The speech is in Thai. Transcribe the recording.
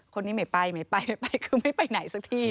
คนนี้ไม่ไปคือไม่ไปไหนสักที